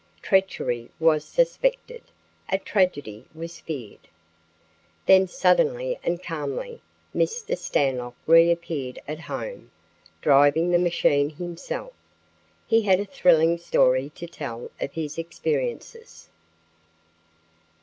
Treachery was suspected, a tragedy was feared. Then suddenly and calmly, Mr. Stanlock reappeared at home, driving the machine himself. He had a thrilling story to tell of his experiences.